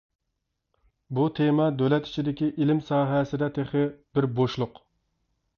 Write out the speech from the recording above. بۇ تېما دۆلەت ئىچىدىكى ئىلىم ساھەسىدە تېخى بىر بوشلۇق.